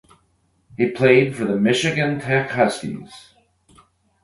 He played for the Michigan Tech Huskies.